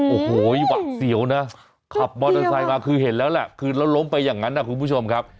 โอ้โหหวัดเสียวนะขับมอเตอร์ไซค์มาคือเห็นแล้วแหละคือแล้วล้มไปอย่างนั้นนะคุณผู้ชมครับ